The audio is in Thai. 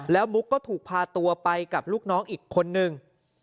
แล้วมุกก็ถูกพาตัวไปกับลูกน้องอีกคนนึง